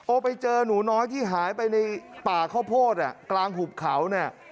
ไปเจอหนูน้อยที่หายไปในป่าข้าวโพดกลางหุบเขาเนี่ย